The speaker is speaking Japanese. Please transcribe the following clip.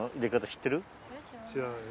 知らないよ。